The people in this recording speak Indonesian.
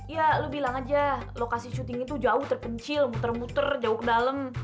ya lu bilang aja lokasi syuting itu jauh terpencil muter muter jauh ke dalam